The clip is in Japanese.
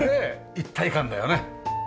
一体感だよね。